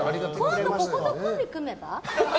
今度、こことコンビ組めば？